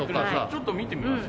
ちょっと見てみます？